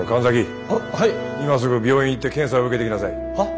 今すぐ病院行って検査を受けてきなさい。